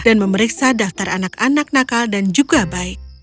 dan memeriksa daftar anak anak nakal dan juga baik